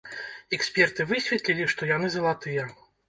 Эксперты высветлілі, што яны залатыя.